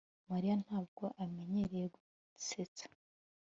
mariya ntabwo amenyereye gusetsa